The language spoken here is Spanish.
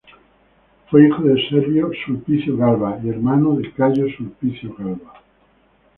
Fue hijo de Servio Sulpicio Galba y hermano de Cayo Sulpicio Galba.